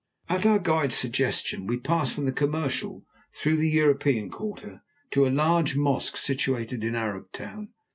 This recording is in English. At our guide's suggestion, we passed from the commercial, through the European quarter, to a large mosque situated in Arab Town.